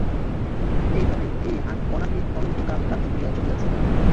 এইভাবে তিনি অনাদি অনন্ত কাল কার্য করিয়া চলিয়াছেন।